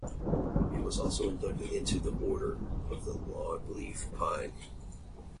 He was also inducted into the Order of the Long Leaf Pine.